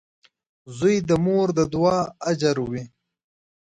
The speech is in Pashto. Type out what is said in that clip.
• زوی د مور د دعا اجر وي.